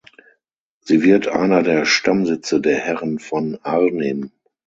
Sie wird einer der Stammsitze der Herren von Arnim.